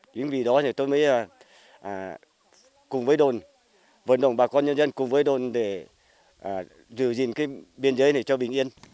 chính vì đó thì tôi mới cùng với đồn vận động bà con nhân dân cùng với đồn để giữ gìn cái biên giới này cho bình yên